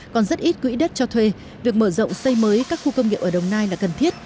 còn rất ít quỹ đất cho thuê việc mở rộng xây mới các khu công nghiệp ở đồng nai là cần thiết